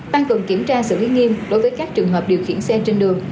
tăng cường kiểm tra xử lý nghiêm đối với các trường hợp điều khiển xe trên đường